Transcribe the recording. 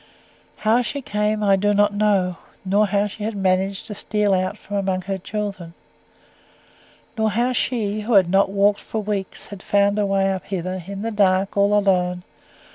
How she came I do not know; nor how she had managed to steal out from among her children. Nor how she, who had not walked for weeks, had found her way up hither, in the dark, all alone.